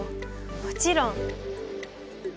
もちろん！